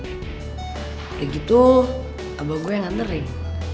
udah gitu abah gue yang ngering